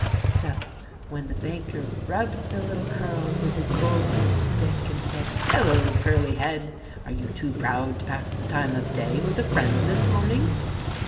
So, when the banker rubbed the little curls with his gold headed stick and said, " Hello, Curly head ! Are you too proud to pass the time of day with a friend this morning?"